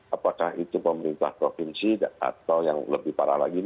apakah itu pemerintah provinsi atau yang lebih parah lagi